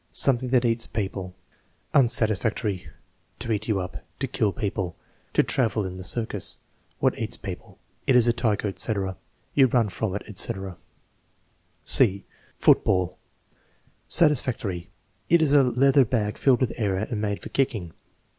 "Something that eats people." Unsatisfactory. "To eat you up." "To kill people." "To travel in the circus." "What eats people." "It is a tiger," etc. "You run from it," etc. (c) Football Satisfactory. "It is a leather bag filled with air and made for kicking."